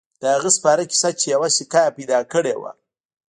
د هغه سپاره کیسه چې یوه سکه يې پیدا کړې وه.